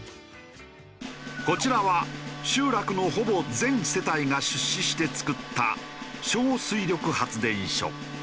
こちらは集落のほぼ全世帯が出資して造った小水力発電所。